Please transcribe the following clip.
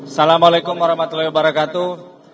assalamu alaikum warahmatullahi wabarakatuh